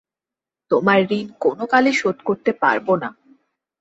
তোমার ঋণ কোনোকালে শোধ করতে পারব না ।